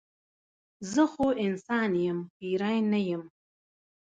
زه خو انسان یم پیری نه یم.